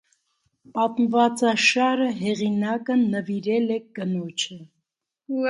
Պատմվածաշարը հեղինակը նվիրել է կնոջը։